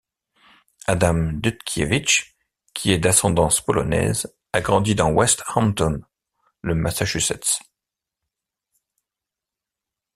Adam Dutkiewicz, qui est d'ascendance polonaise, a grandi dans Westhampton, le Massachusetts.